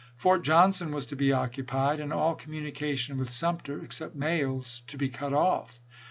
Fort Johnson was to be occupied, and all communication with Sum ter, except mails, to be cut off.